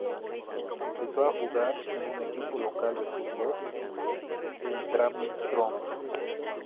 Empezó a jugar en un equipo local de fútbol, el Drammen Strong.